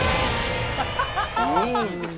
２位です。